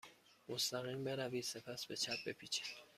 مستقیم بروید. سپس به چپ بپیچید.